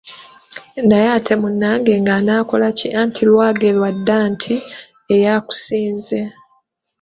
Naye ate munnange ng’anaakola ki anti lwagerwa dda nti, eyakusinze.